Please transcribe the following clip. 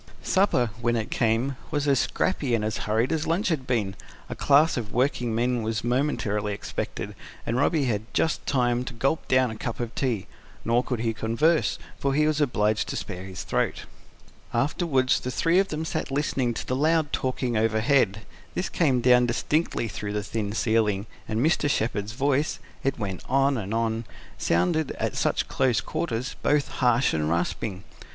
Supper, when it came, was as scrappy and as hurried as lunch had been: a class of working men was momently expected, and Robby had just time to gulp down a cup of tea. Nor could he converse; for he was obliged to spare his throat. Afterwards the three of them sat listening to the loud talking overhead. This came down distinctly through the thin ceiling, and Mr. Shepherd's voice it went on and on sounded, at such close quarters, both harsh and rasping. Mrs.